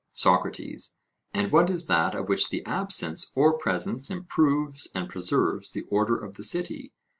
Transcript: SOCRATES: And what is that of which the absence or presence improves and preserves the order of the city?